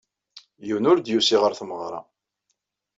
Yiwen ur d-yusi ɣer tmeɣra.